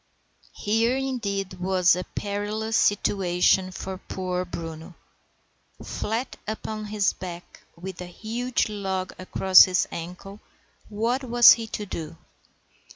Here, indeed, was a perilous situation for poor Bruno. Flat upon his back, with a huge log across his ankle, what was he to do?